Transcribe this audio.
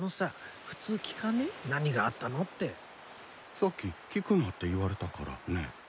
さっき聞くなって言われたからね。